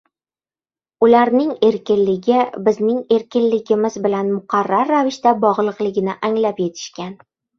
ularning erkinligi bizning erkinligimiz bilan muqarrar ravishda bog‘liqligini anglab yetishgan